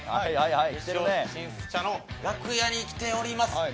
決勝進出者の楽屋に来ております。